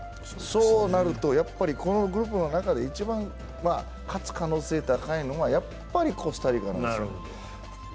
そうなるとこのグループの中で一番勝つ可能性が高いのはやっぱりコスタリカなんです。